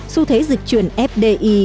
xu thế dịch truyền fdi